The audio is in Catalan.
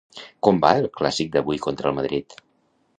Com va el clàssic d'avui contra el Madrid?